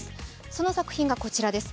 その作品がこちらです。